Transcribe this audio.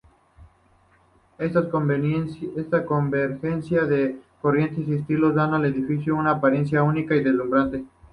Esta convergencia de corrientes y estilos dan al edificio una apariencia única y deslumbrante.